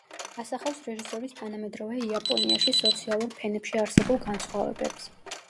ასახავს რეჟისორის თანამედროვე იაპონიაში სოციალურ ფენებში არსებულ განსხვავებებს.